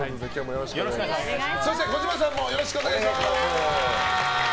児嶋さんもよろしくお願いします。